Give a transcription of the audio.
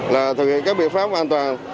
là thực hiện các biện pháp an toàn